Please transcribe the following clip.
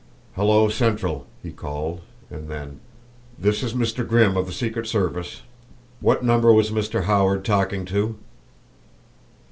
"Hello, central!" he called, and then: "This is Mr. Grimm of the Secret Service. What number was Mr. Howard talking to?"